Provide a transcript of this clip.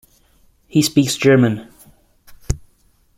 He speaks German.